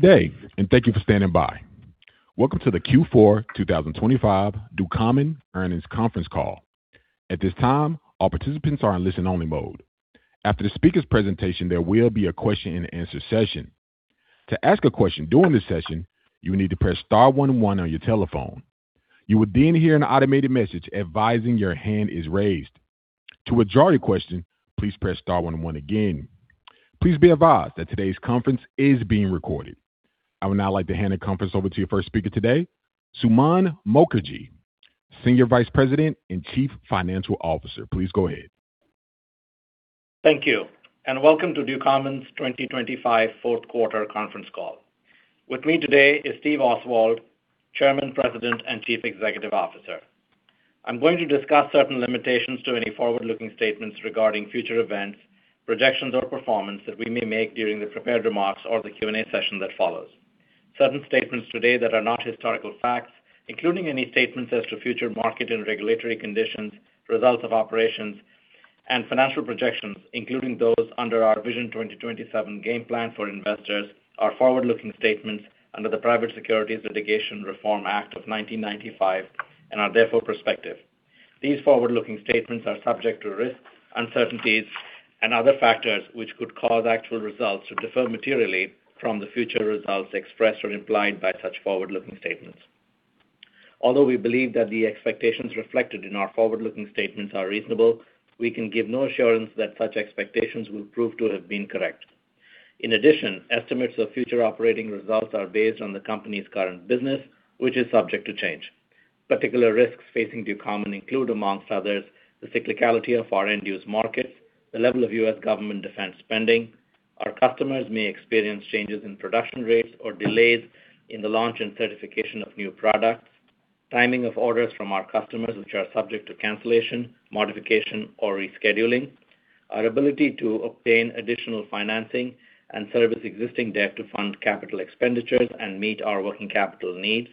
Good day, and thank you for standing by. Welcome to the Q4 2025 Ducommun Earnings Conference Call. At this time, all participants are in listen-only mode. After the speaker's presentation, there will be a question-and-answer session. To ask a question during this session, you will need to press star one one on your telephone. You will then hear an automated message advising your hand is raised. To withdraw your question, please press star one one again. Please be advised that today's conference is being recorded. I would now like to hand the conference over to your first speaker today, Suman Mookerji, Senior Vice President and Chief Financial Officer. Please go ahead. Thank you. Welcome to Ducommun's 2025 fourth quarter conference call. With me today is Stephen Oswald, Chairman, President, and Chief Executive Officer. I'm going to discuss certain limitations to any forward-looking statements regarding future events, projections, or performance that we may make during the prepared remarks or the Q&A session that follows. Certain statements today that are not historical facts, including any statements as to future market and regulatory conditions, results of operations, and financial projections, including those under our VISION 2027 game plan for investors, are forward-looking statements under the Private Securities Litigation Reform Act of 1995 and are therefore prospective. These forward-looking statements are subject to risks, uncertainties, and other factors which could cause actual results to differ materially from the future results expressed or implied by such forward-looking statements. Although we believe that the expectations reflected in our forward-looking statements are reasonable, we can give no assurance that such expectations will prove to have been correct. In addition, estimates of future operating results are based on the company's current business, which is subject to change. Particular risks facing Ducommun include, amongst others, the cyclicality of our end-use markets, the level of U.S. government defense spending. Our customers may experience changes in production rates or delays in the launch and certification of new products, timing of orders from our customers, which are subject to cancellation, modification, or rescheduling. Our ability to obtain additional financing and service existing debt to fund capital expenditures and meet our working capital needs.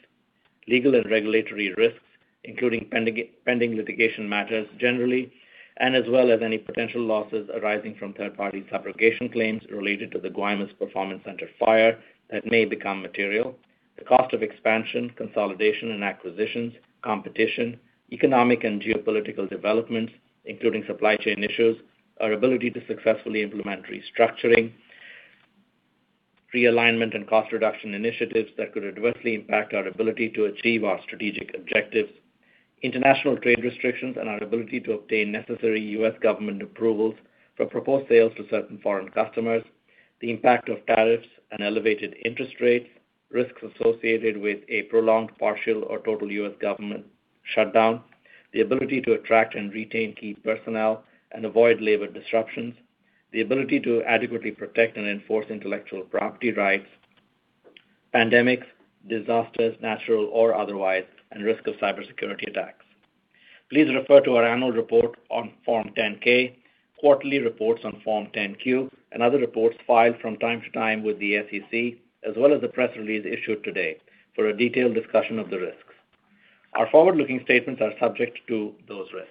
Legal and regulatory risks, including pending litigation matters generally, and as well as any potential losses arising from third-party subrogation claims related to the Guaymas Performance Center fire that may become material. The cost of expansion, consolidation, and acquisitions, competition, economic and geopolitical developments, including supply chain issues, our ability to successfully implement restructuring, realignment, and cost reduction initiatives that could adversely impact our ability to achieve our strategic objectives. International trade restrictions and our ability to obtain necessary U.S. government approvals for proposed sales to certain foreign customers. The impact of tariffs and elevated interest rates, risks associated with a prolonged, partial, or total U.S. government shutdown, the ability to attract and retain key personnel and avoid labor disruptions, the ability to adequately protect and enforce intellectual property rights, pandemics, disasters, natural or otherwise, and risk of cybersecurity attacks. Please refer to our annual report on Form 10-K, quarterly reports on Form 10-Q, and other reports filed from time to time with the SEC, as well as the press release issued today for a detailed discussion of the risks. Our forward-looking statements are subject to those risks.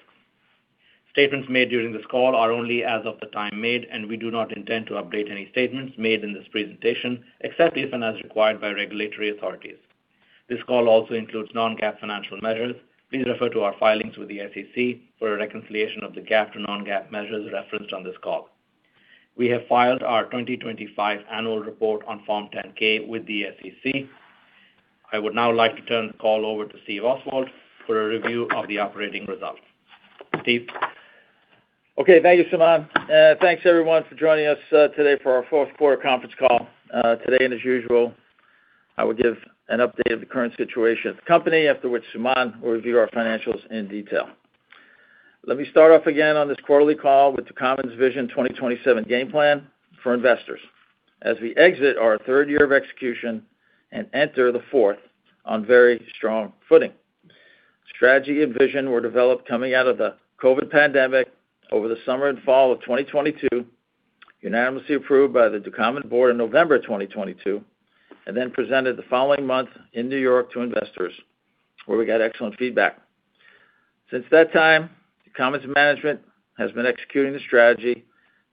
Statements made during this call are only as of the time made, and we do not intend to update any statements made in this presentation, except if and as required by regulatory authorities. This call also includes non-GAAP financial measures. Please refer to our filings with the SEC for a reconciliation of the GAAP to non-GAAP measures referenced on this call. We have filed our 2025 annual report on Form 10-K with the SEC. I would now like to turn the call over to Stephen Oswald for a review of the operating results. Steve? Okay, thank you, Suman. Thanks, everyone, for joining us today for our fourth quarter conference call. Today, and as usual, I will give an update of the current situation of the company, after which Suman will review our financials in detail. Let me start off again on this quarterly call with Ducommun's VISION 2027 game plan for investors. As we exit our third year of execution and enter the fourth on very strong footing. Strategy and vision were developed coming out of the COVID pandemic over the summer and fall of 2022, unanimously approved by the Ducommun board in November 2022, and then presented the following month in New York to investors, where we got excellent feedback. Since that time, Ducommun's management has been executing the strategy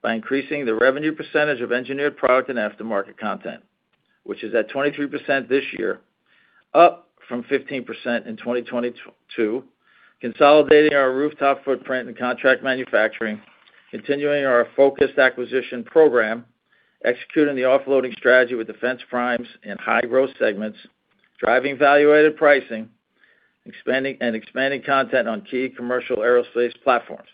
by increasing the revenue percentage of engineered product and aftermarket content, which is at 23% this year, up from 15% in 2022, consolidating our rooftop footprint and contract manufacturing, continuing our focused acquisition program, executing the offloading strategy with defense primes and high-growth segments, driving evaluated pricing, and expanding content on key commercial aerospace platforms.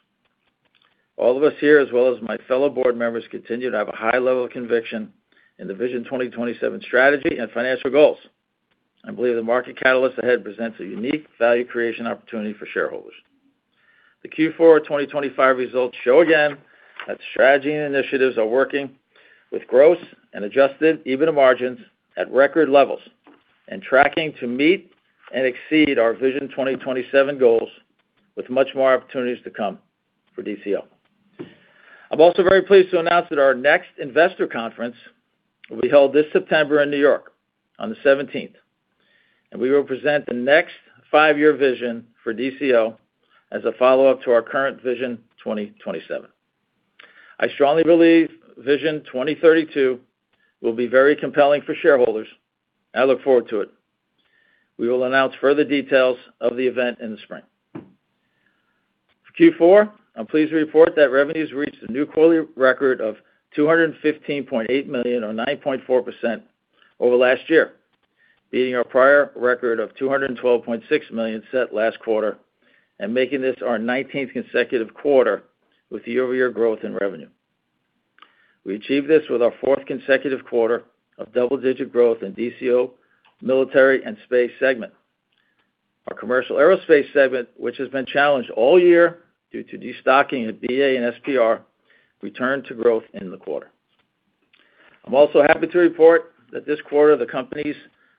All of us here, as well as my fellow board members, continue to have a high level of conviction in the Vision 2027 strategy and financial goals. I believe the market catalyst ahead presents a unique value creation opportunity for shareholders. The Q4 2025 results show again that strategy and initiatives are working with gross and adjusted EBITDA margins at record levels and tracking to meet and exceed our Vision 2027 goals, with much more opportunities to come for DCO. I'm also very pleased to announce that our next investor conference will be held this September in New York on the 17th. We will present the next five-year vision for DCO as a follow-up to our current VISION 2027. I strongly believe Vision 2032 will be very compelling for shareholders. I look forward to it. We will announce further details of the event in the spring. Q4, I'm pleased to report that revenues reached a new quarterly record of $215.8 million, or 9.4% over last year, beating our prior record of $212.6 million set last quarter and making this our 19th consecutive quarter with year-over-year growth in revenue. We achieved this with our 4th consecutive quarter of double-digit growth in DCO, military, and space segment. Our commercial aerospace segment, which has been challenged all year due to destocking at BA and SPR, returned to growth in the quarter. I'm also happy to report that this quarter, the company's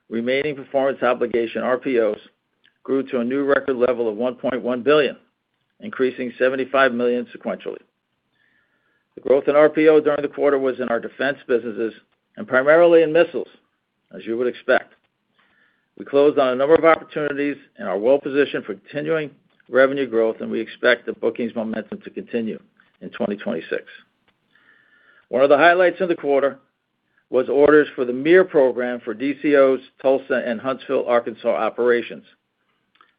remaining performance obligation, RPOs, grew to a new record level of $1.1 billion, increasing $75 million sequentially. The growth in RPO during the quarter was in our defense businesses and primarily in missiles, as you would expect. We closed on a number of opportunities and are well-positioned for continuing revenue growth. We expect the bookings momentum to continue in 2026. One of the highlights of the quarter was orders for the MIR program for DCO's Tulsa and Huntsville, Arkansas, operations.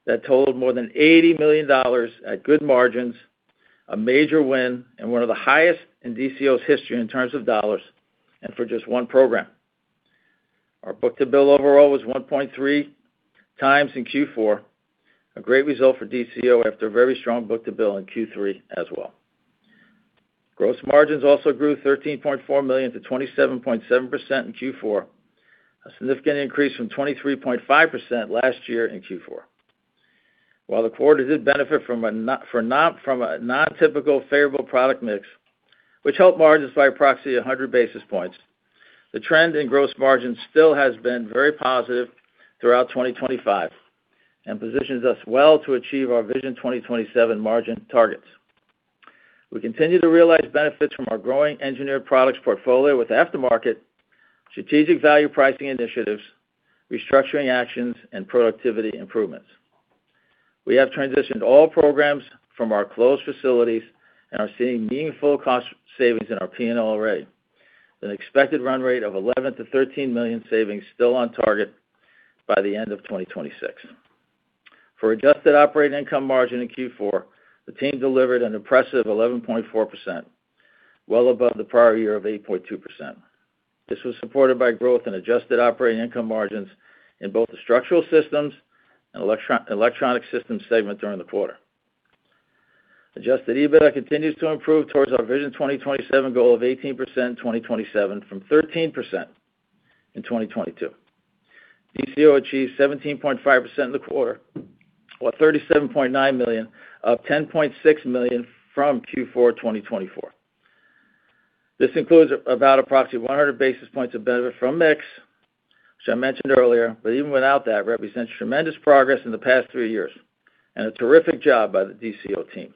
That totaled more than $80 million at good margins, a major win and one of the highest in DCO's history in terms of dollars and for just one program. Our book-to-bill overall was 1.3x in Q4, a great result for DCO after a very strong book-to-bill in Q3 as well. Gross margins also grew $13.4 million to 27.7% in Q4, a significant increase from 23.5% last year in Q4. While the quarter did benefit from a non-typical favorable product mix, which helped margins by approximately 100 basis points, the trend in gross margins still has been very positive throughout 2025 and positions us well to achieve our Vision 2027 margin targets. We continue to realize benefits from our growing engineered products portfolio with aftermarket, strategic value pricing initiatives, restructuring actions, and productivity improvements. We have transitioned all programs from our closed facilities and are seeing meaningful cost savings in our P&L array, with an expected run rate of $11 million-$13 million savings still on target by the end of 2026. For adjusted operating income margin in Q4, the team delivered an impressive 11.4%, well above the prior year of 8.2%. This was supported by growth in adjusted operating income margins in both the Structural Systems and Electronic Systems segment during the quarter. Adjusted EBITDA continues to improve towards our VISION 2027 goal of 18% in 2027 from 13% in 2022. DCO achieved 17.5% in the quarter, or $37.9 million, up $10.6 million from Q4 2024. This includes about approximately 100 basis points of benefit from mix, which I mentioned earlier, but even without that, represents tremendous progress in the past 3 years and a terrific job by the DCO team.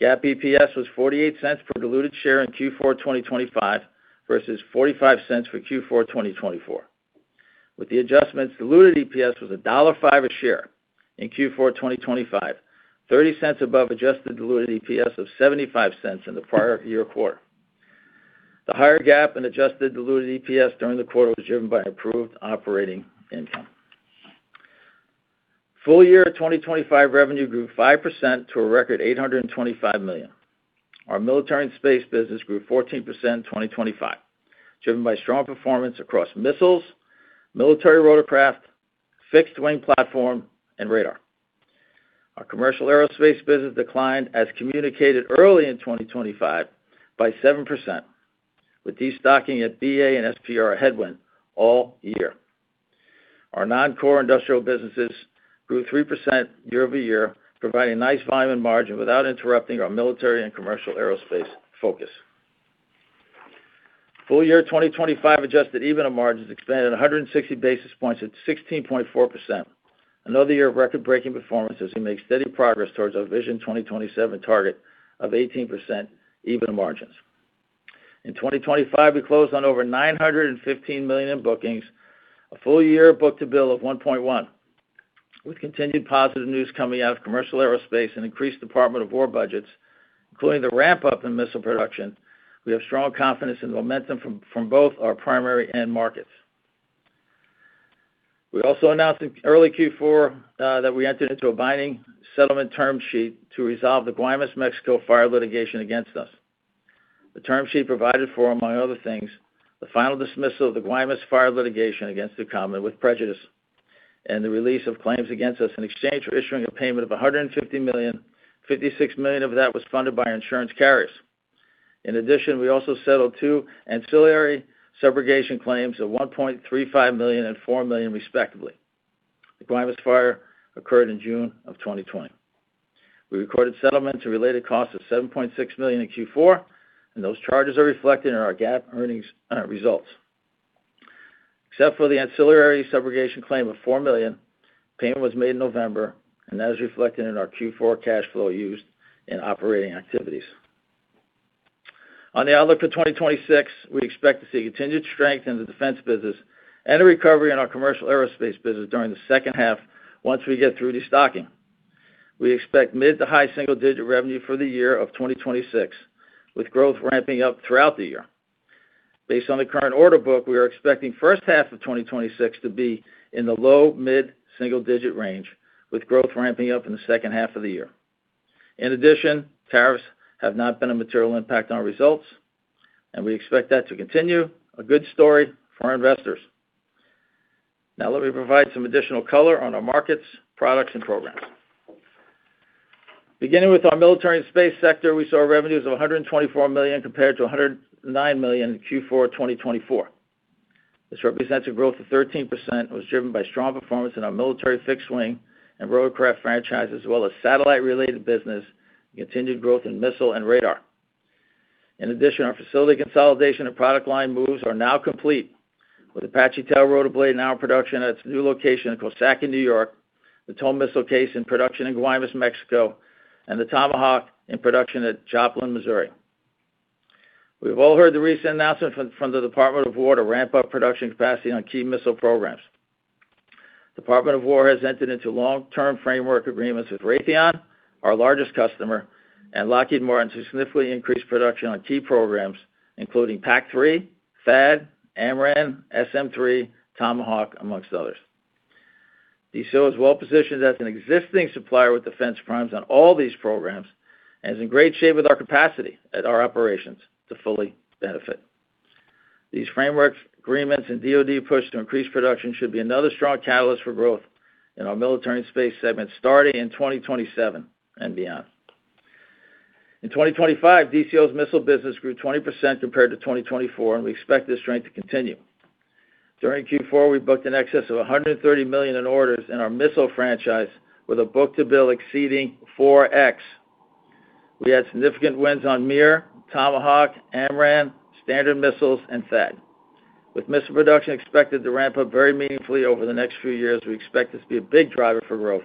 GAAP EPS was $0.48 per diluted share in Q4 2025, versus $0.45 for Q4 2024. With the adjustments, diluted EPS was $1.05 a share in Q4 2025, $0.30 above adjusted diluted EPS of $0.75 in the prior year quarter. The higher GAAP and adjusted diluted EPS during the quarter was driven by improved operating income. Full year 2025 revenue grew 5% to a record $825 million. Our military and space business grew 14% in 2025, driven by strong performance across missiles, military rotorcraft, fixed-wing platform, and radar. Our commercial aerospace business declined, as communicated early in 2025, by 7%, with destocking at BA and SPR a headwind all year. Our non-core industrial businesses grew 3% year-over-year, providing nice volume and margin without interrupting our military and commercial aerospace focus. Full year 2025 adjusted EBITDA margins expanded 160 basis points at 16.4%. Another year of record-breaking performances and make steady progress towards our VISION 2027 target of 18% EBITDA margins. In 2025, we closed on over $915 million in bookings, a full year book-to-bill of 1.1. With continued positive news coming out of commercial aerospace and increased Department of War budgets, including the ramp-up in missile production, we have strong confidence in the momentum from both our primary end markets. We also announced in early Q4, that we entered into a binding settlement term sheet to resolve the Guaymas, Mexico, fire litigation against us. The term sheet provided for, among other things, the final dismissal of the Guaymas fire litigation against the company with prejudice and the release of claims against us in exchange for issuing a payment of $150 million, $56 million of that was funded by our insurance carriers. In addition, we also settled two ancillary subrogation claims of $1.35 million and $4 million, respectively. The Guaymas fire occurred in June of 2020. We recorded settlement to related costs of $7.6 million in Q4. Those charges are reflected in our GAAP earnings results. Except for the ancillary subrogation claim of $4 million, payment was made in November. That is reflected in our Q4 cash flow used in operating activities. On the outlook for 2026, we expect to see continued strength in the defense business and a recovery in our commercial aerospace business during the second half once we get through destocking. We expect mid-to-high single-digit revenue for the year of 2026, with growth ramping up throughout the year. Based on the current order book, we are expecting first half of 2026 to be in the low-to-mid single-digit range, with growth ramping up in the second half of the year. Tariffs have not been a material impact on results, and we expect that to continue, a good story for our investors. Let me provide some additional color on our markets, products, and programs. Beginning with our military and space sector, we saw revenues of $124 million compared to $109 million in Q4 2024. This represents a growth of 13%, was driven by strong performance in our military fixed wing and rotorcraft franchise, as well as satellite-related business, and continued growth in missile and radar. In addition, our facility consolidation and product line moves are now complete, with Apache tail rotor blade now in production at its new location in Coxsackie, New York, the TOW Missile Case in production in Guaymas, Mexico, and the Tomahawk in production at Joplin, Missouri. We've all heard the recent announcement from the Department of War to ramp up production capacity on key missile programs. Department of War has entered into long-term framework agreements with Raytheon, our largest customer, and Lockheed Martin, to significantly increase production on key programs, including PAC-3, THAAD, AMRAAM, SM-3, Tomahawk, amongst others. DCO is well-positioned as an existing supplier with defense primes on all these programs, and is in great shape with our capacity at our operations to fully benefit. These framework agreements and DoD push to increase production should be another strong catalyst for growth in our military and space segment, starting in 2027 and beyond. In 2025, DCO's missile business grew 20% compared to 2024, and we expect this strength to continue. During Q4, we booked in excess of $130 million in orders in our missile franchise, with a book-to-bill exceeding 4x. We had significant wins on MIR, Tomahawk, AMRAAM, standard missiles, and THAAD. With missile production expected to ramp up very meaningfully over the next few years, we expect this to be a big driver for growth.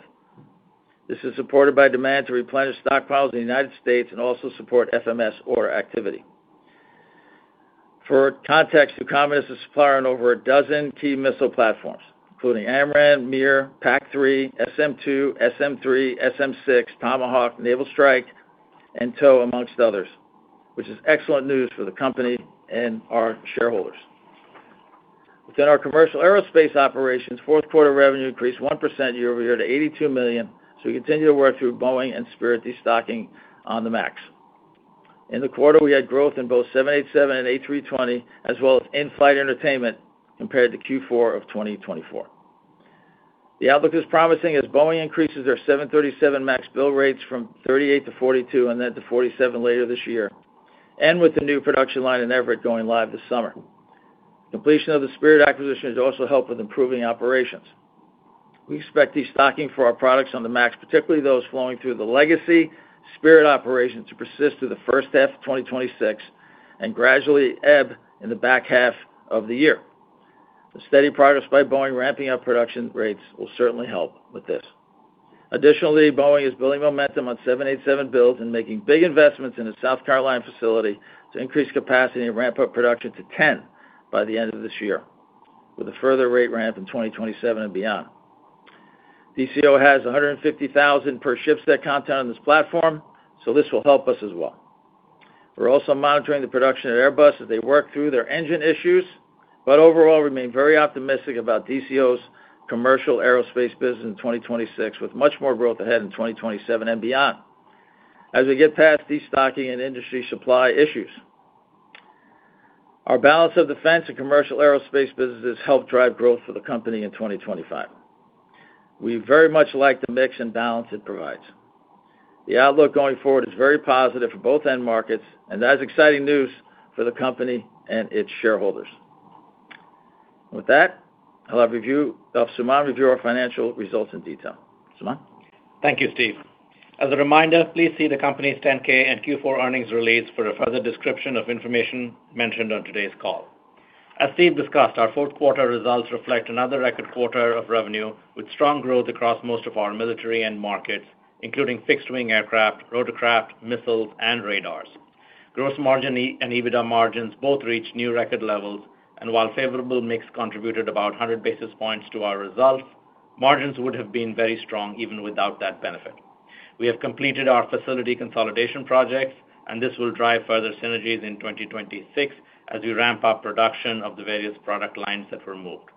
This is supported by demand to replenish stockpiles in the United States and also support FMS order activity. For context, Ducommun is a supplier on over a dozen key missile platforms, including AMRAAM, MIR, PAC-3, SM-2, SM-3, SM-6, Tomahawk, Naval Strike, and TOW, amongst others, which is excellent news for the company and our shareholders. Within our commercial aerospace operations, fourth quarter revenue increased 1% year-over-year to $82 million, so we continue to work through Boeing and Spirit destocking on the MAX. In the quarter, we had growth in both 787 and A320, as well as in-flight entertainment compared to Q4 of 2024. The outlook is promising as Boeing increases their 737 MAX bill rates from 38-42, and then to 47 later this year, and with the new production line in Everett going live this summer. Completion of the Spirit acquisition has also helped with improving operations. We expect destocking for our products on the Max, particularly those flowing through the legacy Spirit operation, to persist through the first half of 2026 and gradually ebb in the back half of the year. The steady progress by Boeing ramping up production rates will certainly help with this. Additionally, Boeing is building momentum on 787 builds and making big investments in its South Carolina facility to increase capacity and ramp up production to 10 by the end of this year, with a further rate ramp in 2027 and beyond. DCO has 150,000 per ship set content on this platform. This will help us as well. We're also monitoring the production at Airbus as they work through their engine issues. Overall, remain very optimistic about DCO's commercial aerospace business in 2026, with much more growth ahead in 2027 and beyond, as we get past destocking and industry supply issues. Our balance of defense and commercial aerospace businesses helped drive growth for the company in 2025. We very much like the mix and balance it provides. The outlook going forward is very positive for both end markets. That is exciting news for the company and its shareholders. With that, I'll have Suman review our financial results in detail. Suman? Thank you, Steve. As a reminder, please see the company's 10-K and Q4 earnings release for a further description of information mentioned on today's call. As Steve discussed, our fourth quarter results reflect another record quarter of revenue, with strong growth across most of our military end markets, including fixed-wing aircraft, rotorcraft, missiles, and radars. Gross margin and EBITDA margins both reached new record levels, and while favorable mix contributed about 100 basis points to our results, margins would have been very strong even without that benefit. We have completed our facility consolidation projects, and this will drive further synergies in 2026 as we ramp up production of the various product lines that were moved.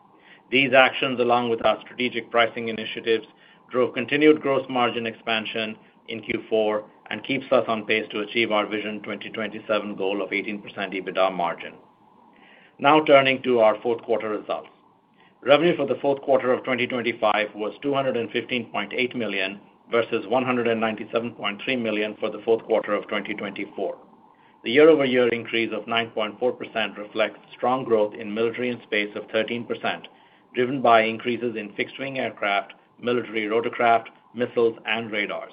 These actions, along with our strategic pricing initiatives, drove continued gross margin expansion in Q4 and keeps us on pace to achieve our VISION 2027 goal of 18% EBITDA margin. Now, turning to our fourth quarter results. Revenue for the fourth quarter of 2025 was $215.8 million versus $197.3 million for the fourth quarter of 2024. The year-over-year increase of 9.4% reflects strong growth in military and space of 13%, driven by increases in fixed-wing aircraft, military rotorcraft, missiles, and radars.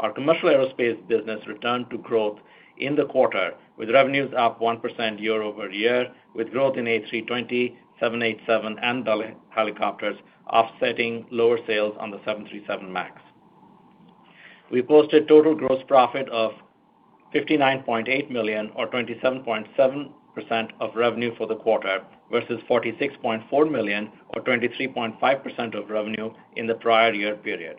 Our commercial aerospace business returned to growth in the quarter, with revenues up 1% year-over-year, with growth in A320, 787, and the helicopters offsetting lower sales on the 737 MAX. We posted total gross profit of $59.8 million, or 27.7% of revenue for the quarter, versus $46.4 million, or 23.5% of revenue in the prior year period.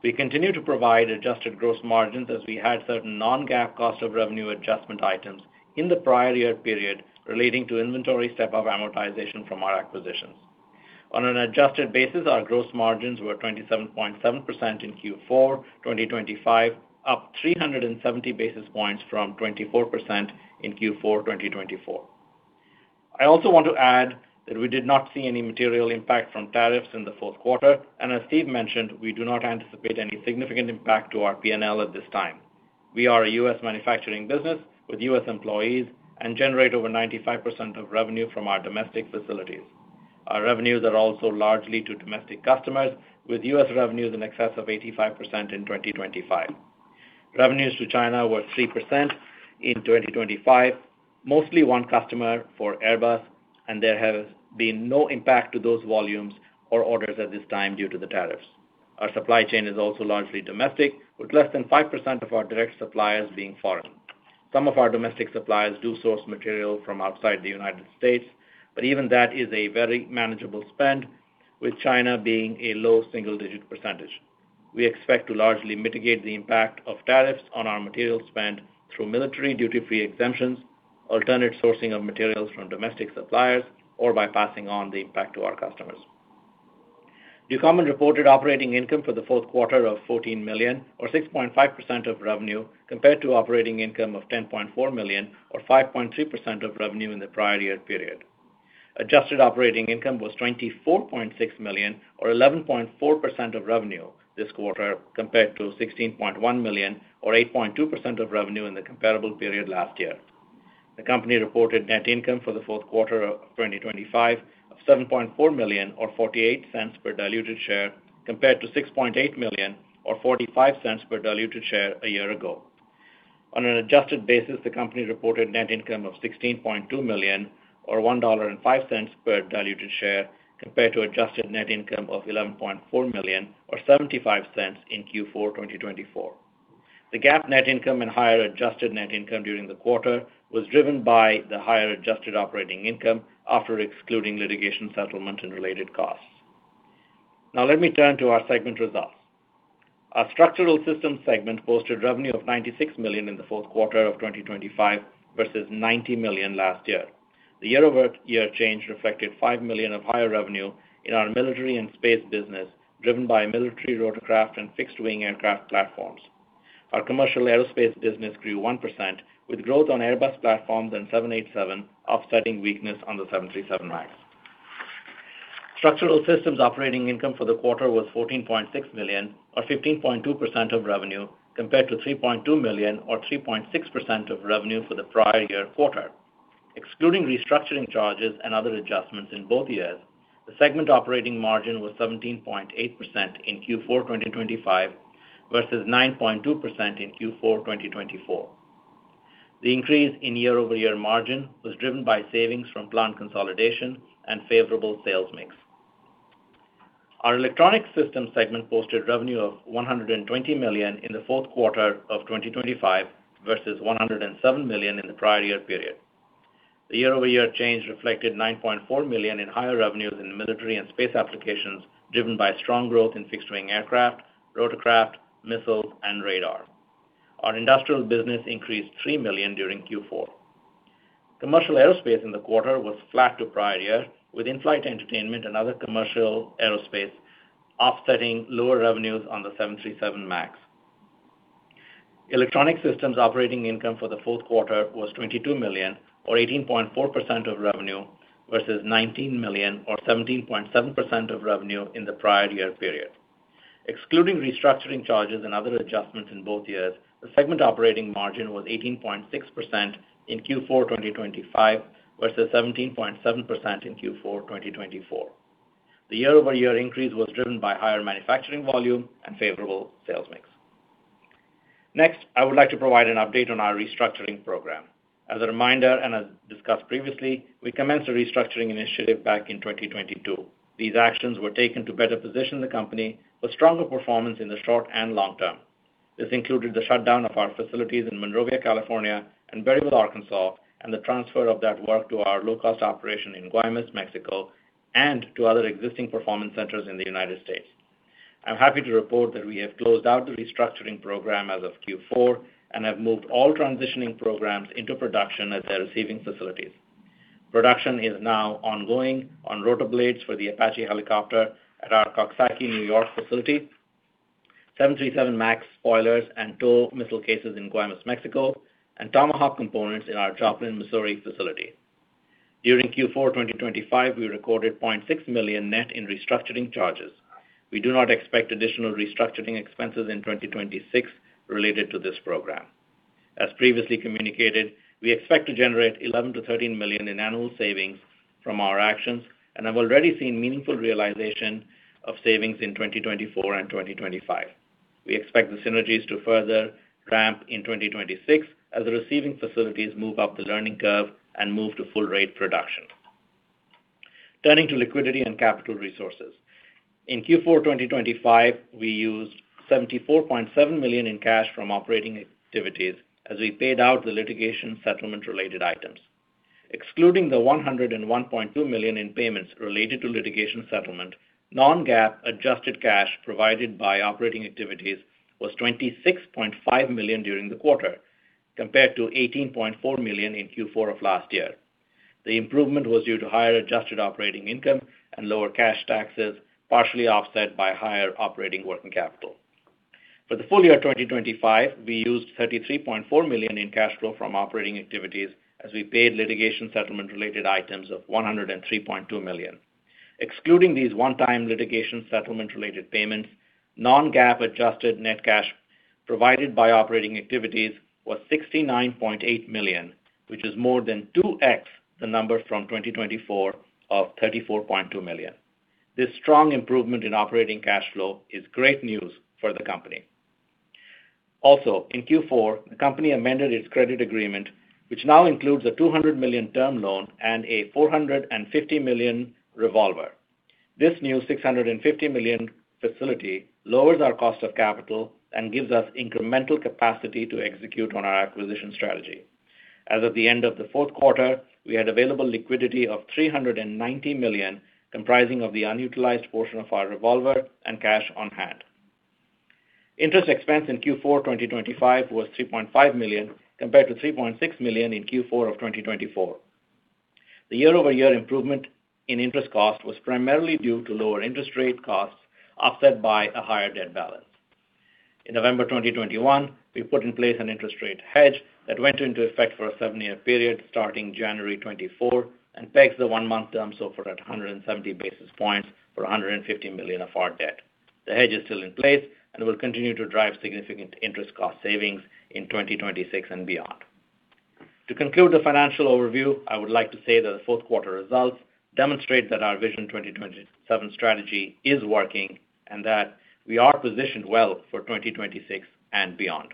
We continue to provide adjusted gross margins as we had certain non-GAAP cost of revenue adjustment items in the prior year period relating to inventory step-up amortization from our acquisitions. On an adjusted basis, our gross margins were 27.7% in Q4 2025, up 370 basis points from 24% in Q4 2024. I also want to add that we did not see any material impact from tariffs in the fourth quarter, as Steve mentioned, we do not anticipate any significant impact to our PNL at this time. We are a U.S. manufacturing business with U.S. employees and generate over 95% of revenue from our domestic facilities. Our revenues are also largely to domestic customers, with U.S. revenues in excess of 85% in 2025. Revenues to China were 3% in 2025, mostly one customer for Airbus. There has been no impact to those volumes or orders at this time due to the tariffs. Our supply chain is also largely domestic, with less than 5% of our direct suppliers being foreign. Some of our domestic suppliers do source material from outside the United States. Even that is a very manageable spend, with China being a low single-digit percentage. We expect to largely mitigate the impact of tariffs on our material spend through military duty-free exemptions, alternate sourcing of materials from domestic suppliers, or by passing on the impact to our customers. The common reported operating income for the fourth quarter of $14 million, or 6.5% of revenue, compared to operating income of $10.4 million, or 5.3% of revenue in the prior year period. Adjusted operating income was $24.6 million, or 11.4% of revenue this quarter, compared to $16.1 million, or 8.2% of revenue in the comparable period last year. The company reported net income for the fourth quarter of 2025 of $7.4 million, or $0.48 per diluted share, compared to $6.8 million, or $0.45 per diluted share a year ago. On an adjusted basis, the company reported net income of $16.2 million, or $1.05 per diluted share, compared to adjusted net income of $11.4 million, or $0.75 in Q4 2024. The GAAP net income and higher adjusted net income during the quarter was driven by the higher adjusted operating income after excluding litigation settlement and related costs. Now let me turn to our segment results. Our Structural Systems segment posted revenue of $96 million in the fourth quarter of 2025 versus $90 million last year. The year-over-year change reflected $5 million of higher revenue in our military and space business, driven by military rotorcraft and fixed-wing aircraft platforms. Our commercial aerospace business grew 1%, with growth on Airbus platforms and 787, offsetting weakness on the 737 MAX. Structural Systems operating income for the quarter was $14.6 million, or 15.2% of revenue, compared to $3.2 million, or 3.6% of revenue for the prior year quarter. Excluding restructuring charges and other adjustments in both years, the segment operating margin was 17.8% in Q4 2025 versus 9.2% in Q4 2024. The increase in year-over-year margin was driven by savings from plant consolidation and favorable sales mix. Our Electronic Systems segment posted revenue of $120 million in the fourth quarter of 2025 versus $107 million in the prior year period. The year-over-year change reflected $9.4 million in higher revenues in military and space applications, driven by strong growth in fixed-wing aircraft, rotorcraft, missiles, and radar. Our industrial business increased $3 million during Q4. Commercial aerospace in the quarter was flat to prior year, with in-flight entertainment and other commercial aerospace offsetting lower revenues on the 737 MAX. Electronic Systems operating income for the fourth quarter was $22 million, or 18.4% of revenue, versus $19 million, or 17.7% of revenue in the prior year period. Excluding restructuring charges and other adjustments in both years, the segment operating margin was 18.6% in Q4 2025 versus 17.7% in Q4 2024. The year-over-year increase was driven by higher manufacturing volume and favorable sales mix. Next, I would like to provide an update on our restructuring program. As a reminder, and as discussed previously, we commenced a restructuring initiative back in 2022. These actions were taken to better position the company with stronger performance in the short and long term. This included the shutdown of our facilities in Monrovia, California, and Berryville, Arkansas, and the transfer of that work to our low-cost operation in Guaymas, Mexico, and to other existing performance centers in the United States. I'm happy to report that we have closed out the restructuring program as of Q4 and have moved all transitioning programs into production at their receiving facilities. Production is now ongoing on rotor blades for the Apache helicopter at our Coxsackie, New York facility, 737 MAX spoilers and TOW Missile Cases in Guaymas, Mexico, and Tomahawk components in our Joplin, Missouri, facility. During Q4 2025, we recorded $0.6 million net in restructuring charges. We do not expect additional restructuring expenses in 2026 related to this program. As previously communicated, we expect to generate $11 million-$13 million in annual savings from our actions and have already seen meaningful realization of savings in 2024 and 2025. We expect the synergies to further ramp in 2026 as the receiving facilities move up the learning curve and move to full rate production. Turning to liquidity and capital resources. In Q4 2025, we used $74.7 million in cash from operating activities as we paid out the litigation settlement-related items. Excluding the $101.2 million in payments related to litigation settlement, non-GAAP adjusted cash provided by operating activities was $26.5 million during the quarter, compared to $18.4 million in Q4 of last year. The improvement was due to higher adjusted operating income and lower cash taxes, partially offset by higher operating working capital. For the full year 2025, we used $33.4 million in cash flow from operating activities as we paid litigation settlement-related items of $103.2 million. Excluding these one-time litigation settlement-related payments, non-GAAP adjusted net cash provided by operating activities was $69.8 million, which is more than 2x the number from 2024 of $34.2 million. This strong improvement in operating cash flow is great news for the company. In Q4, the company amended its credit agreement, which now includes a $200 million term loan and a $450 million revolver. This new $650 million facility lowers our cost of capital and gives us incremental capacity to execute on our acquisition strategy. As of the end of the fourth quarter, we had available liquidity of $390 million, comprising of the unutilized portion of our revolver and cash on hand. Interest expense in Q4 2025 was $3.5 million, compared to $3.6 million in Q4 of 2024. The year-over-year improvement in interest cost was primarily due to lower interest rate costs, offset by a higher debt balance. In November 2021, we put in place an interest rate hedge that went into effect for a 7-year period, starting January 2024, and pegs the 1-month term SOFR for 170 basis points for $150 million of our debt. The hedge is still in place and will continue to drive significant interest cost savings in 2026 and beyond. To conclude the financial overview, I would like to say the fourth quarter results demonstrate that our VISION 2027 strategy is working, and that we are positioned well for 2026 and beyond.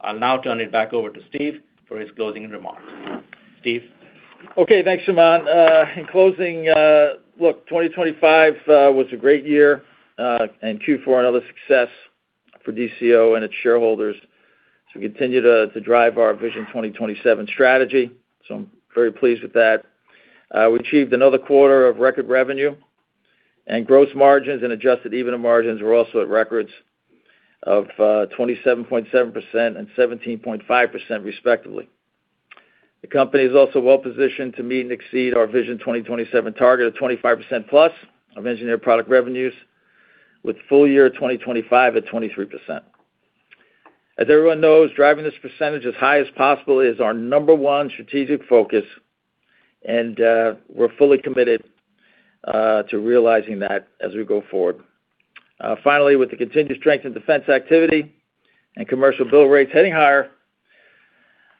I'll now turn it back over to Steve for his closing remarks. Steve? Okay, thanks, Suman. In closing, look, 2025 was a great year, and Q4, another success for DCO and its shareholders. We continue to drive our VISION 2027 strategy, so I'm very pleased with that. We achieved another quarter of record revenue, and gross margins and adjusted EBITDA margins were also at records of 27.7% and 17.5%, respectively. The company is also well positioned to meet and exceed our VISION 2027 target of 25% plus of engineered product revenues, with full year 2025 at 23%. As everyone knows, driving this percentage as high as possible is our number one strategic focus, and we're fully committed to realizing that as we go forward. Finally, with the continued strength in defense activity and commercial bill rates heading higher,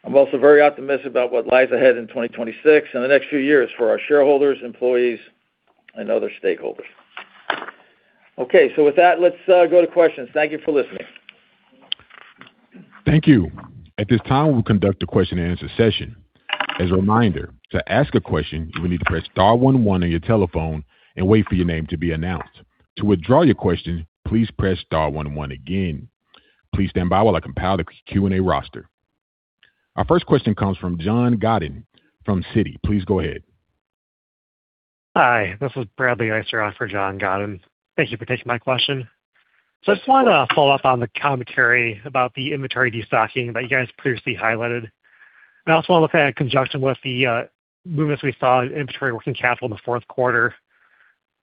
I'm also very optimistic about what lies ahead in 2026 and the next few years for our shareholders, employees, and other stakeholders. Okay, with that, let's go to questions. Thank you for listening. Thank you. At this time, we'll conduct a question-and-answer session. As a reminder, to ask a question, you will need to press star one one on your telephone and wait for your name to be announced. To withdraw your question, please press star one one again. Please stand by while I compile the Q&A roster. Our first question comes from Jon Godyn from Citi. Please go ahead. Hi, this is Bradley Eiser for Jon Godyn. Thank you for taking my question. I just wanted to follow up on the commentary about the inventory destocking that you guys previously highlighted. I also want to look at, in conjunction with the movements we saw in inventory working capital in the fourth quarter.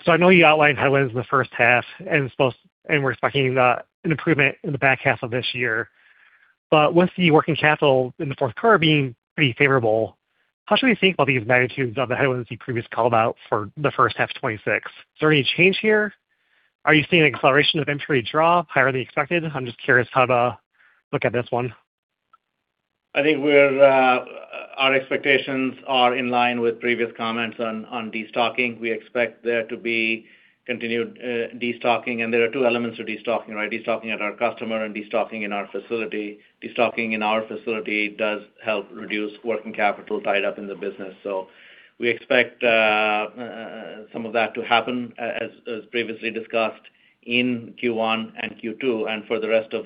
I know you outlined headwinds in the first half and we're expecting an improvement in the back half of this year. With the working capital in the fourth quarter being pretty favorable, how should we think about these magnitudes of the headwinds you previously called out for the first half of 2026? Is there any change here? Are you seeing an acceleration of inventory draw higher than expected? I'm just curious how to look at this one. I think we're our expectations are in line with previous comments on destocking. We expect there to be continued destocking, and there are two elements to destocking, right? Destocking at our customer and destocking in our facility. Destocking in our facility does help reduce working capital tied up in the business. We expect some of that to happen, as previously discussed in Q1 and Q2 and for the rest of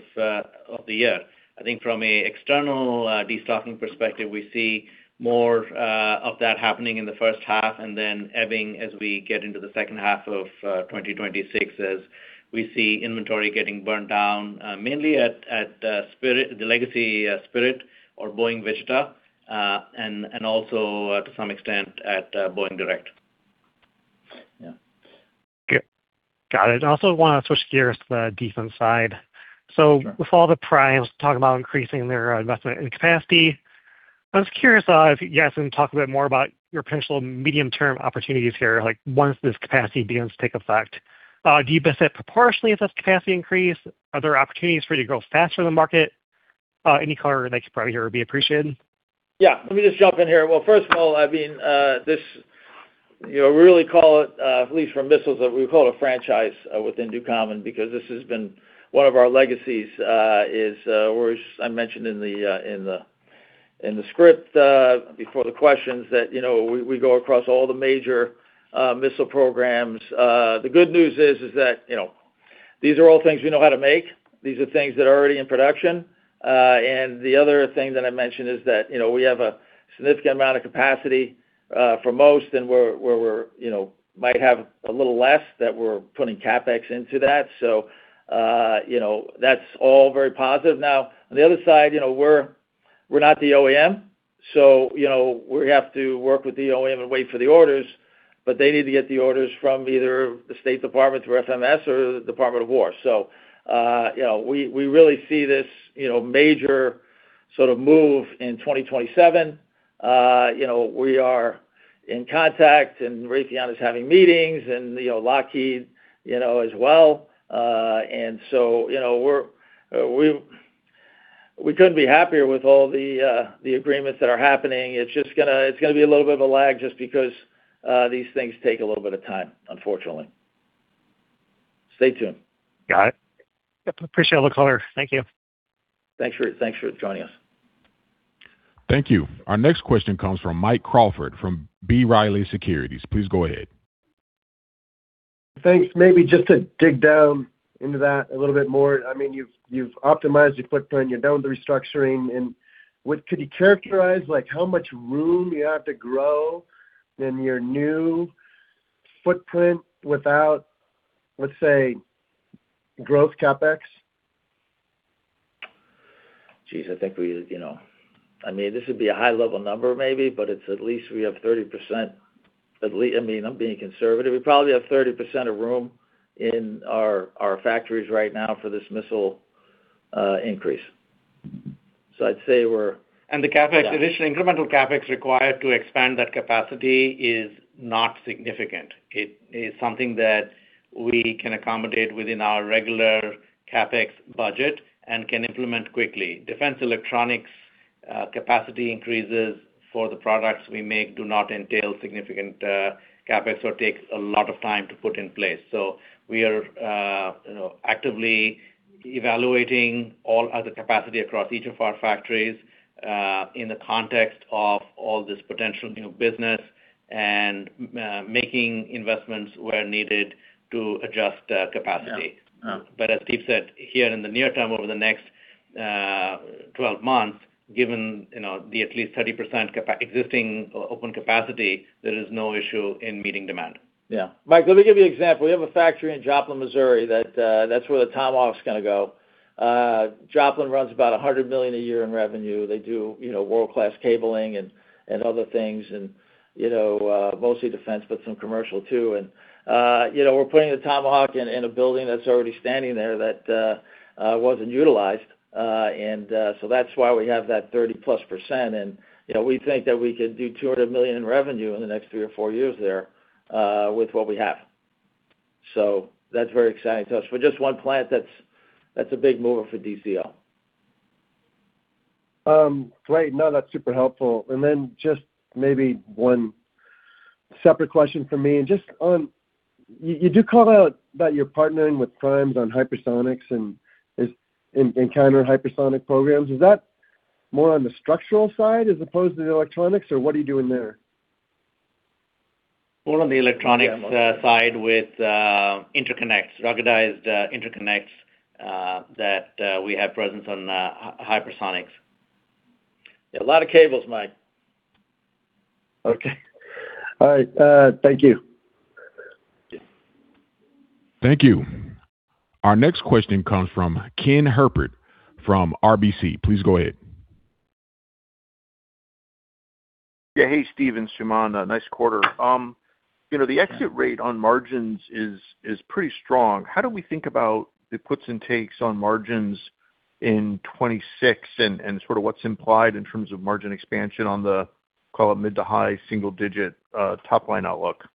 the year. I think from a external destocking perspective, we see more of that happening in the first half and then ebbing as we get into the second half of 2026, as we see inventory getting burnt down, mainly at Spirit, the legacy Spirit or Boeing Wichita, and also to some extent at Boeing Direct. Yeah. Got it. I also want to switch gears to the defense side. Sure. With all the primes talking about increasing their investment in capacity, I was curious, if you guys can talk a bit more about your potential medium-term opportunities here, like once this capacity begins to take effect. Do you invest it proportionally if there's capacity increase? Are there opportunities for you to grow faster than the market? Any color next probably here would be appreciated. Yeah. Let me just jump in here. Well, first of all, I mean, this, you know, we really call it, at least for missiles, we call it a franchise within Ducommun, because this has been one of our legacies, is where I mentioned in the script, before the questions that, you know, we go across all the major missile programs. The good news is that, you know, these are all things we know how to make. These are things that are already in production. And the other thing that I mentioned is that, you know, we have a significant amount of capacity for most, and where, you know, might have a little less, that we're putting CapEx into that. You know, that's all very positive. Now, on the other side, you know, we're not the OEM, so, you know, we have to work with the OEM and wait for the orders, but they need to get the orders from either the State Department through FMS or the Department of War. You know, we really see this, you know, major sort of move in 2027. You know, we are in contact, and Raytheon is having meetings, and, you know, Lockheed, you know, as well. You know, we're, we couldn't be happier with all the agreements that are happening. It's just gonna be a little bit of a lag just because these things take a little bit of time, unfortunately. Stay tuned. Got it. Appreciate all the color. Thank you. Thanks for joining us. Thank you. Our next question comes from Mike Crawford from B. Riley Securities. Please go ahead. Thanks. Maybe just to dig down into that a little bit more. I mean, you've optimized your footprint, you're down the restructuring. Could you characterize, like, how much room you have to grow in your new footprint without, let's say, growth CapEx? Geez, I think we... You know, I mean, this would be a high-level number maybe, but it's at least we have 30%, I mean, I'm being conservative. We probably have 30% of room in our factories right now for this missile increase. I'd say we're- The CapEx, additional incremental CapEx required to expand that capacity is not significant. It is something that we can accommodate within our regular CapEx budget and can implement quickly. Defense electronics, capacity increases for the products we make do not entail significant CapEx or takes a lot of time to put in place. We are, you know, actively evaluating all other capacity across each of our factories, in the context of all this potential new business and making investments where needed to adjust capacity. Yeah. As Stephen said, here in the near term, over the next, 12 months, given, you know, the at least 30% existing open capacity, there is no issue in meeting demand. Mike, let me give you an example. We have a factory in Joplin, Missouri, that's where the Tomahawk's gonna go. Joplin runs about $100 million a year in revenue. They do, you know, world-class cabling and other things and, you know, mostly defense, but some commercial too. You know, we're putting the Tomahawk in a building that's already standing there that wasn't utilized. That's why we have that 30%+ and, you know, we think that we could do $200 million in revenue in the next three or four years there with what we have. That's very exciting to us. For just one plant, that's a big mover for DCO. Great. No, that's super helpful. Just maybe one separate question for me. You do call out that you're partnering with primes on hypersonics and counter-hypersonic programs. Is that more on the structural side as opposed to the electronics, or what are you doing there? More on the electronics side with interconnects, ruggedized interconnects, that we have presence on hypersonics. Yeah, a lot of cables, Mike. Okay. All right, thank you. Thank you. Our next question comes from Ken Herbert from RBC. Please go ahead. Yeah. Hey, Steve and Suman, nice quarter. you know, the exit rate on margins is pretty strong. How do we think about the puts and takes on margins in 2026 and sort of what's implied in terms of margin expansion on the, call it, mid-to-high single-digit top line outlook?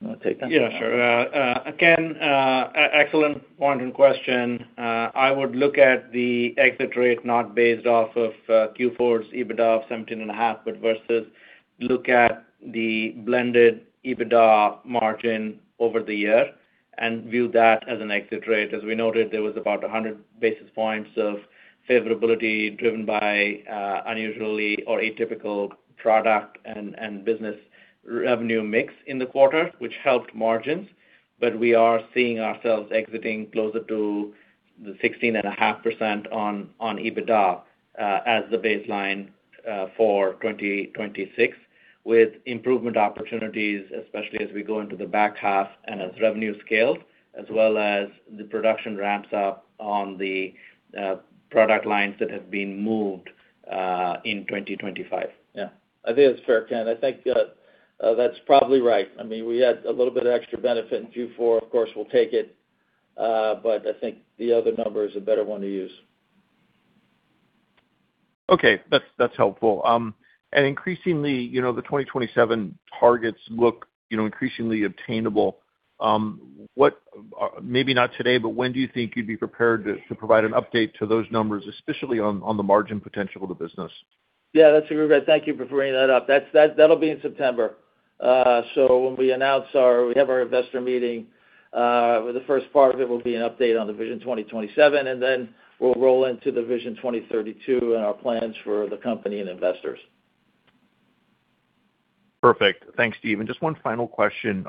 You want to take that? Yeah, sure. Ken, excellent point and question. I would look at the exit rate not based off of Q4's EBITDA of 17.5%, but versus look at the blended EBITDA margin over the year and view that as an exit rate. As we noted, there was about 100 basis points of favorability, driven by unusually or atypical product and business revenue mix in the quarter, which helped margins. We are seeing ourselves exiting closer to the 16.5% on EBITDA, as the baseline for 2026, with improvement opportunities, especially as we go into the back half and as revenue scales, as well as the production ramps up on the product lines that have been moved in 2025. Yeah. I think that's fair, Ken. I think that's probably right. I mean, we had a little bit of extra benefit in Q4. Of course, we'll take it, but I think the other number is a better one to use. Okay. That's, that's helpful. Increasingly, you know, the VISION 2027 targets look, you know, increasingly obtainable. What, maybe not today, but when do you think you'd be prepared to provide an update to those numbers, especially on the margin potential of the business? That's a great Thank you for bringing that up. That's, that'll be in September. When we announce we have our investor meeting, with the first part of it will be an update on the VISION 2027, and then we'll roll into the Vision 2032 and our plans for the company and investors. Perfect. Thanks, Stephen. Just one final question.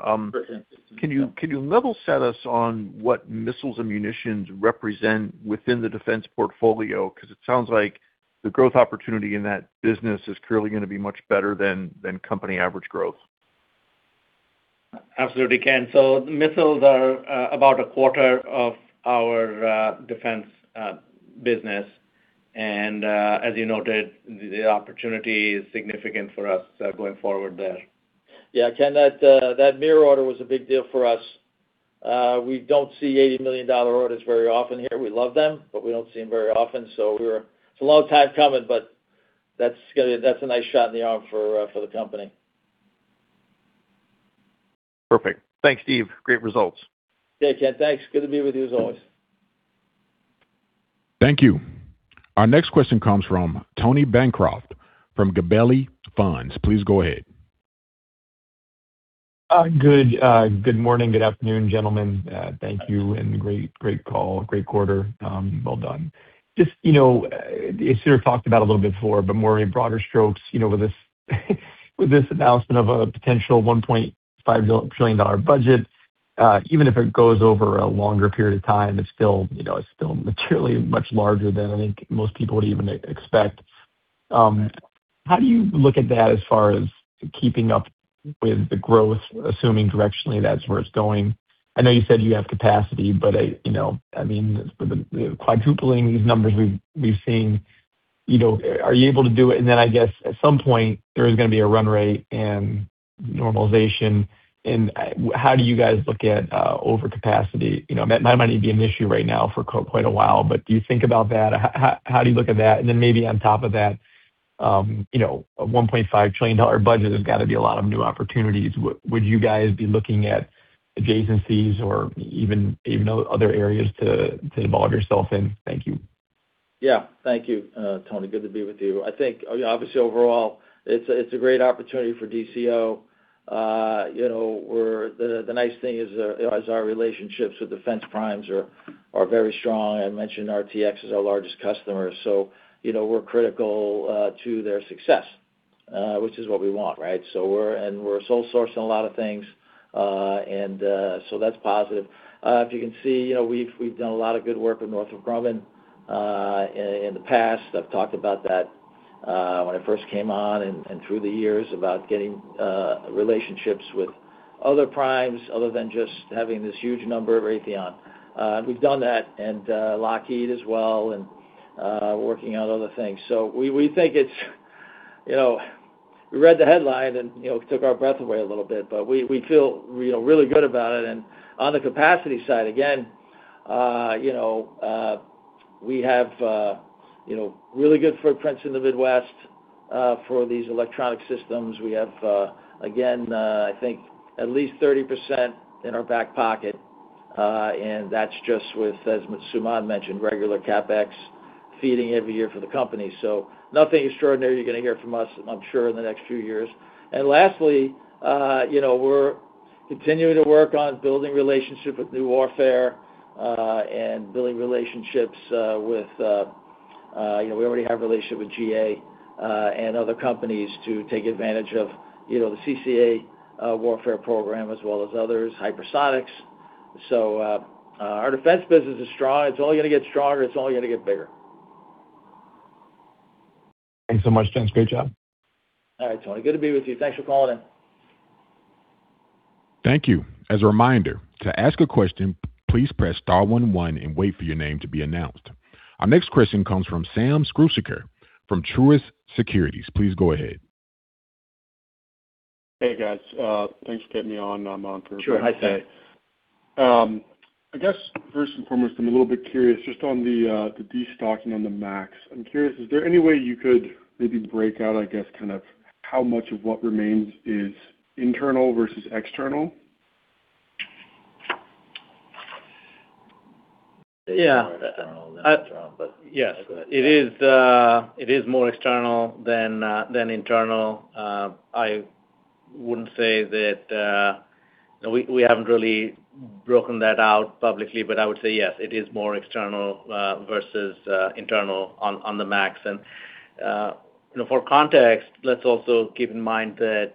Can you level set us on what missiles and munitions represent within the defense portfolio? Because it sounds like the growth opportunity in that business is clearly gonna be much better than company average growth. Absolutely, Ken. Missiles are about a quarter of our defense business, and as you noted, the opportunity is significant for us going forward there. Yeah, Ken, that mirror order was a big deal for us. We don't see $80 million orders very often here. We love them, but we don't see them very often. It's a long time coming, but that's a nice shot in the arm for the company. Perfect. Thanks, Stephen. Great results. Hey, Ken, thanks. Good to be with you, as always. Thank you. Our next question comes from Tony Bancroft from Gabelli Funds. Please go ahead. Good morning, good afternoon, gentlemen. Thank you, great call, great quarter. Well done. Just, you know, you sort of talked about a little bit before, but more in broader strokes, you know, with this announcement of a potential $1.5 trillion budget, even if it goes over a longer period of time, it's still, you know, it's still materially much larger than I think most people would even expect. How do you look at that as far as keeping up with the growth, assuming directionally, that's where it's going? I know you said you have capacity, but I, you know, I mean, with the quadrupling these numbers we've seen, you know, are you able to do it? I guess, at some point, there is gonna be a run rate and normalization, and, how do you guys look at overcapacity? You know, that might not even be an issue right now for quite a while, but do you think about that? How do you look at that? Maybe on top of that, you know, a $1.5 trillion budget has got to be a lot of new opportunities. Would you guys be looking at adjacencies or even other areas to involve yourself in? Thank you. Thank you, Tony. Good to be with you. I think, obviously, overall, it's a great opportunity for DCO. You know, the nice thing is, our relationships with defense primes are very strong. I mentioned RTX is our largest customer, so, you know, we're critical to their success, which is what we want, right? We're and we're sole sourcing a lot of things, and so that's positive. If you can see, you know, we've done a lot of good work with Northrop Grumman in the past. I've talked about that when I first came on and through the years about getting relationships with other primes other than just having this huge number of Raytheon. We've done that, Lockheed as well, working on other things. We, we think it's, you know, we read the headline and, you know, it took our breath away a little bit, but we feel, you know, really good about it. On the capacity side, again, you know, we have, you know, really good footprints in the Midwest for these Electronic Systems. We have, again, I think at least 30% in our back pocket, and that's just with, as Suman mentioned, regular CapEx, feeding every year for the company. Nothing extraordinary you're gonna hear from us, I'm sure, in the next few years. Lastly, you know, we're continuing to work on building relationship with new warfare, and building relationships with, you know, we already have a relationship with GA and other companies to take advantage of, you know, the Collaborative Combat Aircraft (CCA) warfare program as well as others, hypersonics. Our defense business is strong. It's only gonna get stronger. It's only gonna get bigger. Thanks so much, gents. Great job. All right, Tony. Good to be with you. Thanks for calling in. Thank you. As a reminder, to ask a question, please press star one one and wait for your name to be announced. Our next question comes from Slade Struhsaker from Truist Securities. Please go ahead. Hey, guys. Thanks for getting me on. I'm on. Sure. Hi, Slade. I guess, first and foremost, I'm a little bit curious just on the destocking on the MAX. I'm curious, is there any way you could maybe break out, I guess, kind of how much of what remains is internal versus external? Yeah. Internal and external. Yes. It is, it is more external than internal. I wouldn't say that. We haven't really broken that out publicly, but I would say, yes, it is more external versus internal on the MAX. You know, for context, let's also keep in mind that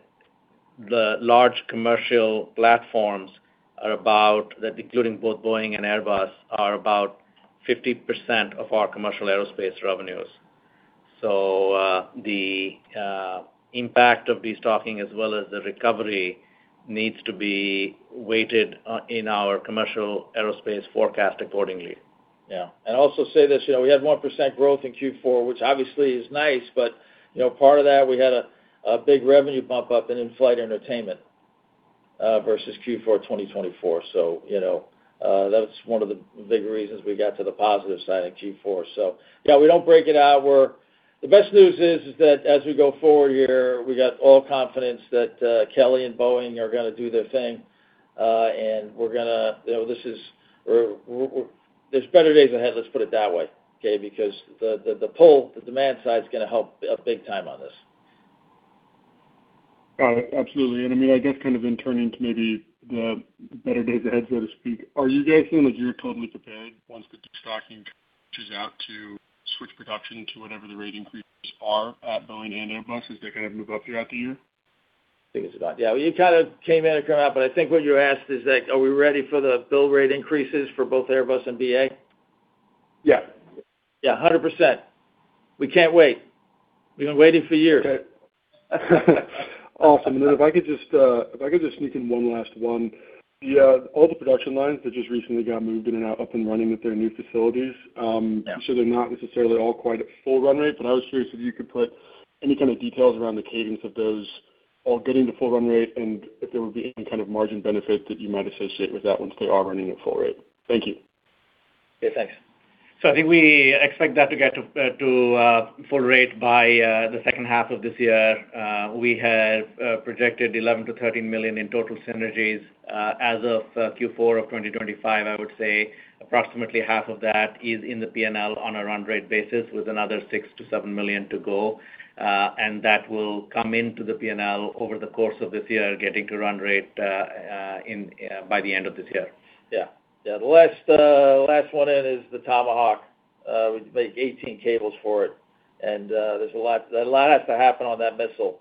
the large commercial platforms are about, that including both Boeing and Airbus, are about 50% of our commercial aerospace revenues. The impact of destocking, as well as the recovery, needs to be weighted in our commercial aerospace forecast accordingly. Yeah. I'd also say this, you know, we had 1% growth in Q4, which obviously is nice, but, you know, part of that, we had a big revenue bump up in in-flight entertainment versus Q4 2024. That's one of the big reasons we got to the positive side in Q4. Yeah, we don't break it out. The best news is that as we go forward here, we got all confidence that Kelly and Boeing are gonna do their thing.... We're gonna, you know, this is, or there's better days ahead, let's put it that way, okay? Because the, the pull, the demand side, is gonna help big time on this. Got it. Absolutely. I mean, I guess kind of in turning to maybe the better days ahead, so to speak, are you guys feeling that you're totally prepared once the destocking reaches out to switch production to whatever the rate increases are at Boeing and Airbus? As they kind of move up throughout the year? I think it's about, yeah, you kind of came in and come out, but I think what you asked is that, are we ready for the bill rate increases for both Airbus and BA? Yeah. Yeah, 100%. We can't wait. We've been waiting for years. Awesome. If I could just, if I could just sneak in one last one. The, all the production lines that just recently got moved in and out, up and running with their new facilities, Yeah. They're not necessarily all quite at full run rate, but I was curious if you could put any kind of details around the cadence of those all getting to full run rate, and if there would be any kind of margin benefit that you might associate with that once they are running at full rate. Thank you. Okay, thanks. I think we expect that to get to full rate by the second half of this year. We have projected $11 million-$13 million in total synergies as of Q4 of 2025. I would say approximately half of that is in the P&L on a run rate basis, with another $6 million-$7 million to go. That will come into the P&L over the course of this year, getting to run rate by the end of this year. Yeah. Yeah, the last last one in is the Tomahawk. We make 18 cables for it, and there's a lot has to happen on that missile.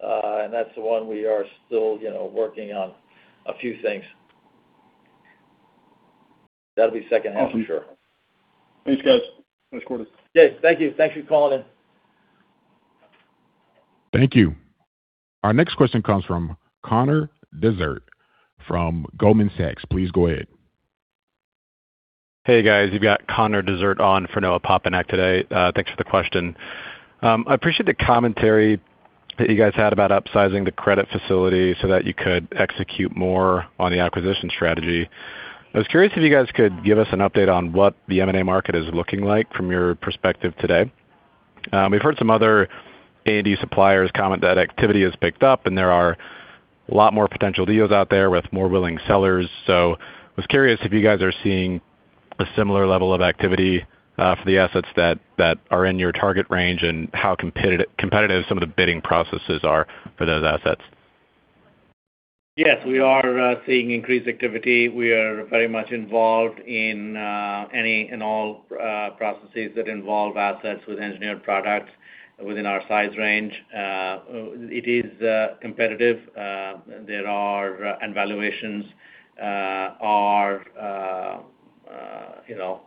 That's the one we are still, you know, working on a few things. That'll be second half for sure. Awesome. Thanks, guys. Nice quarter. Yes, thank you. Thank you for calling in. Thank you. Our next question comes from Connor Dezert from Goldman Sachs. Please go ahead. Hey, guys, you've got Connor Dessert on for Noah Poponak today. Thanks for the question. I appreciate the commentary that you guys had about upsizing the credit facility so that you could execute more on the acquisition strategy. I was curious if you guys could give us an update on what the M&A market is looking like from your perspective today. We've heard some other A&D suppliers comment that activity has picked up, and there are a lot more potential deals out there with more willing sellers. I was curious if you guys are seeing a similar level of activity for the assets that are in your target range, and how competitive some of the bidding processes are for those assets? Yes, we are seeing increased activity. We are very much involved in any and all processes that involve assets with engineered products within our size range. It is competitive. Valuations are, you know,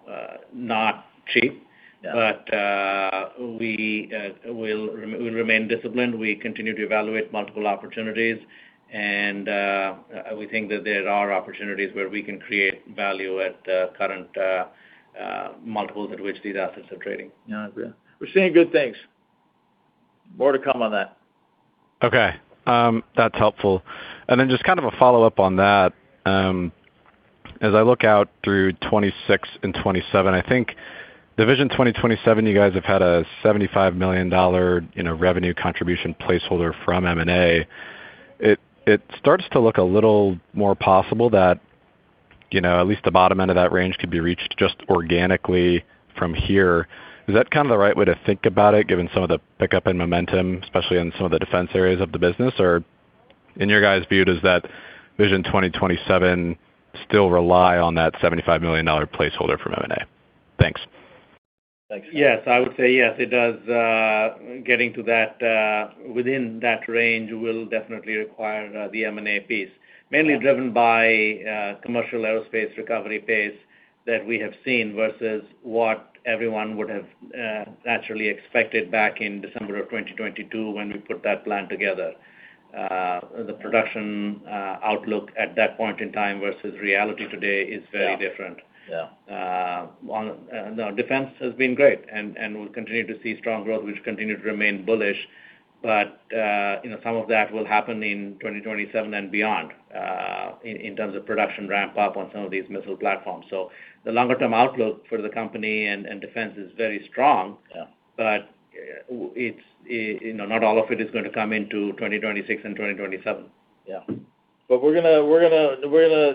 not cheap. Yeah. We'll remain disciplined. We continue to evaluate multiple opportunities. We think that there are opportunities where we can create value at current multiples at which these assets are trading. Yeah, we're seeing good things. More to come on that. Okay, that's helpful. Just kind of a follow-up on that. As I look out through 2026 and 2027, I think the VISION 2027, you guys have had a $75 million, you know, revenue contribution placeholder from M&A. It starts to look a little more possible that, you know, at least the bottom end of that range could be reached just organically from here. Is that kind of the right way to think about it, given some of the pickup in momentum, especially in some of the defense areas of the business? Or in your guys' view, does that VISION 2027 still rely on that $75 million placeholder from M&A? Thanks. Yes. I would say yes, it does. Getting to that within that range will definitely require the M&A piece. Mainly driven by commercial aerospace recovery pace that we have seen, versus what everyone would have naturally expected back in December of 2022, when we put that plan together. The production outlook at that point in time versus reality today is very different. Yeah, yeah. Well, no, defense has been great, and we'll continue to see strong growth, which continue to remain bullish. you know, some of that will happen in 2027 and beyond, in terms of production ramp up on some of these missile platforms. The longer term outlook for the company and defense is very strong. Yeah. It's you know, not all of it is going to come into 2026 and 2027. Yeah. We're gonna,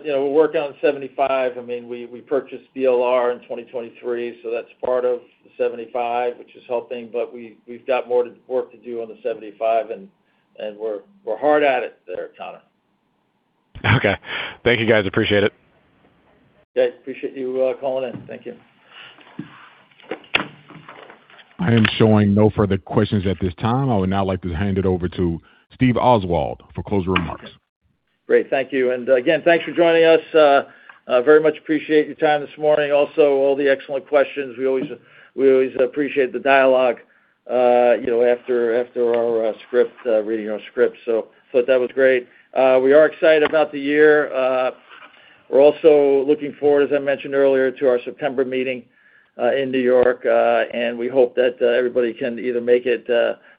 you know, work on 75. I mean, we purchased BLR in 2023, so that's part of the 75, which is helping, but we've got more to work to do on the 75, and we're hard at it there, Connor. Okay. Thank you, guys. Appreciate it. Yeah, appreciate you, calling in. Thank you. I am showing no further questions at this time. I would now like to hand it over to Stephen Oswald for closing remarks. Great. Thank you. Again, thanks for joining us. Very much appreciate your time this morning. Also, all the excellent questions. We always appreciate the dialogue, you know, after our script, reading our script. That was great. We are excited about the year. We're also looking forward, as I mentioned earlier, to our September meeting, in New York. We hope that everybody can either make it,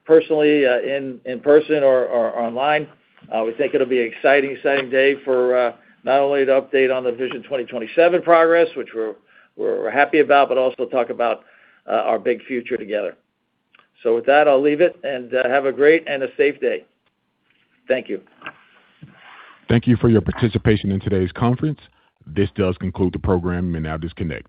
personally, in person or online. We think it'll be an exciting day for not only to update on the VISION 2027 progress, which we're happy about, but also talk about our big future together. With that, I'll leave it, and have a great and a safe day. Thank you. Thank you for your participation in today's conference. This does conclude the program. You may now disconnect.